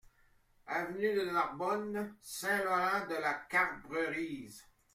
Avenue de Narbonne, Saint-Laurent-de-la-Cabrerisse